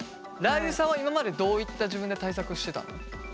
らー油さんは今までどういった自分で対策してたの？